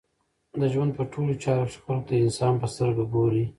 د ژوند په ټولو چارو کښي خلکو ته د انسان په سترګه ګورئ!